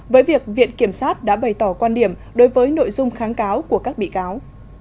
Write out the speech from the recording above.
với việc viện kiểm sát đã bày tỏ quan điểm đối với nội dung kháng cáo của các bị cáo